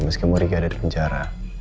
meski mau riki ada di penjara